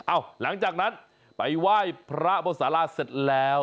หลังจากนั้นไปไหว้พระบนสาราเสร็จแล้ว